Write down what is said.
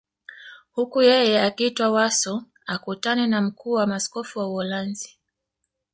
Huku yeye akiitwa Warsaw akutane na mkuu wa maaskofu wa Uholanzi